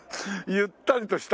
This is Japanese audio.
ゆったりとした。